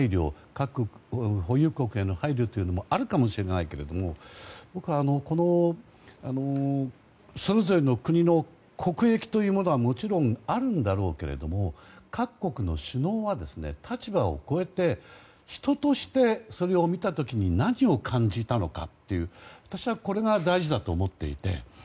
核保有国への配慮はあるかもしれないけれども僕は、それぞれの国の国益というのはもちろんあるんだろうけれども各国の首脳は立場を超えて人としてそれを見た時に何を感じたのかということこれが大事だと思っていて。